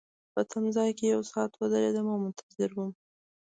په تمځای کي یو ساعت ودریدم او منتظر وم.